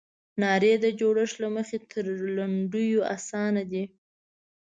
نارې د جوړښت له مخې تر لنډیو اسانه دي.